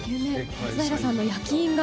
松平さんの焼き印が。